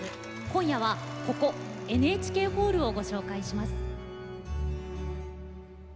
今夜は、ここＮＨＫホールをご紹介します。